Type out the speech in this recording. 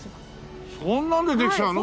そんなのでできちゃうの？